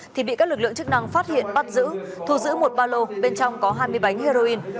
thì bị các lực lượng chức năng phát hiện bắt giữ thu giữ một ba lô bên trong có hai mươi bánh heroin